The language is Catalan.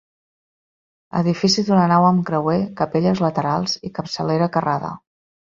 Edifici d'una nau amb creuer, capelles laterals i capçalera carrada.